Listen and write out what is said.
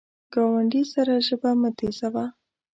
ګاونډي سره ژبه مه تیزوه